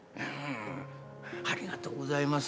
「ありがとうございます。